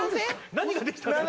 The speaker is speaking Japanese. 何ができたんですか？